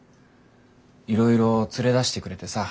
いろいろ連れ出してくれてさ。